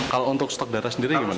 kalau untuk stok darah sendiri gimana